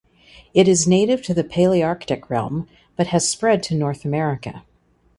It is native to the Palearctic realm but has spread to North America.